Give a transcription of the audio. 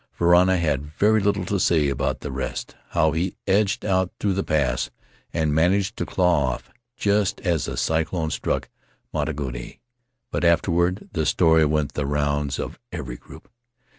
Varana had very little to say about the rest — how he edged out through the pass and managed to claw off just as the cyclone struck Motutangi — but afterward the story went the rounds of every group.